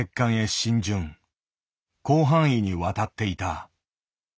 広範囲に渡っていた。